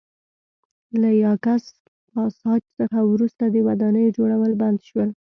له یاکس پاساج څخه وروسته د ودانیو جوړول بند شول